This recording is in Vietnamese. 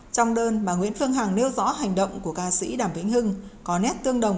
trong đơn bà nguyễn phương hằng nêu rõ hành động của ca sĩ đàm vĩnh hưng có nét tương đồng